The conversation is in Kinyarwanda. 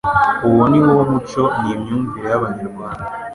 uwo niwo muco n'imyumvire y'Abanyarwanda.